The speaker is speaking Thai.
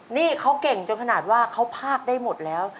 นี่เขาเก่งจนขนาดว่าเขาพากได้หมดแล้ว